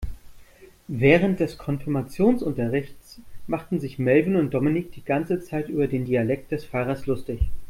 Während des Konfirmationsunterrichts machten sich Melvin und Dominik die ganze Zeit über den Dialekt des Pfarrers lustig.